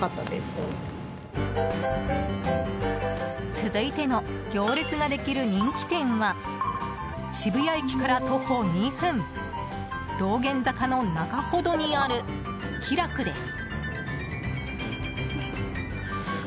続いての行列ができる人気店は渋谷駅から徒歩２分道玄坂の中ほどにある喜楽です。